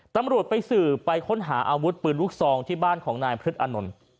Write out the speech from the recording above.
ตำรวจไปสืบไปค้นหาอาวุธปืนลูกซองที่บ้านของนายพฤษอานนท์